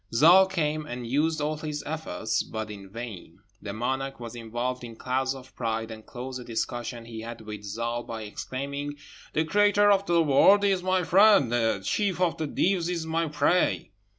Zâl came, and used all his efforts, but in vain; the monarch was involved in clouds of pride, and closed a discussion he had with Zâl by exclaiming, "The Creator of the world is my friend; the chief of the Deevs is my prey."